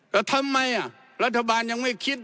แต่ทำไมรัฐบาลยังไม่คิด